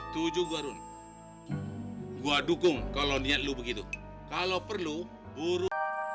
tuju gue run gue dukung kalo niat lo begitu kalo perlu buru